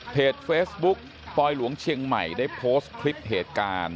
เฟซบุ๊กปลอยหลวงเชียงใหม่ได้โพสต์คลิปเหตุการณ์